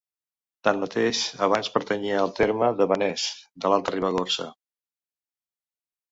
Tanmateix, abans pertanyia al terme de Benés, de l'Alta Ribagorça.